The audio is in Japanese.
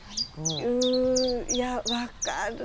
うんいや分かるな。